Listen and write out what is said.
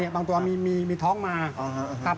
บางตัวมีท้องมาครับ